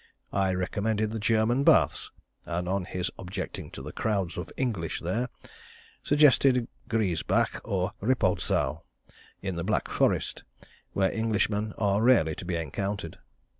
I recommended the German baths, and on his objecting to the crowds of English there, suggested Griesbach or Rippoldsau, in the Black Forest, where Englishmen are rarely to be encountered.